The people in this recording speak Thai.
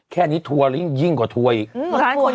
แค่นี้ทัวร์ยิ่งกว่าทัวร์อีก